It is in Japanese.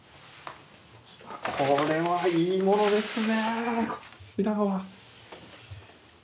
これはいいものですねこちらは。